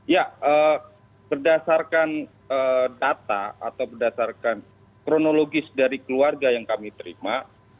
ya berdasarkan data atau berdasarkan kronologis dari keluarga yang kami terima